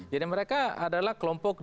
jadi mereka adalah kelompok yang